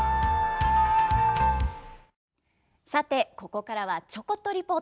さてここからは「ちょこっとリポート」。